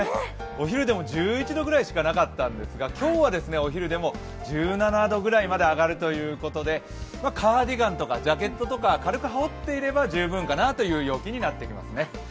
お昼でも１１度ぐらいしかなかったんですが、今日は、お昼でも１７度くらいまで上がるというとこで、カーディガンとかジャケットとか軽く羽織っていれば十分かなという陽気になってきますね。